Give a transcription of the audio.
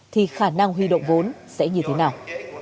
thì khả năng huy động vốn sẽ như thế nào